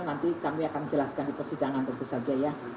nanti kami akan jelaskan di persidangan tentu saja ya